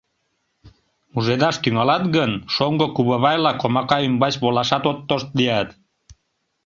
— Мужедаш тӱҥалат гын, шоҥго кувавайла комака ӱмбач волашат от тошт лият.